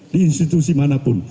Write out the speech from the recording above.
di institusi manapun